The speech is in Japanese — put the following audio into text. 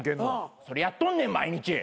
それやっとんねん毎日。